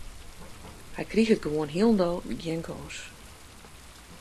Hy kriget gewoan hielendal gjin kâns.